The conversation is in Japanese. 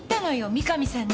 三神さんに。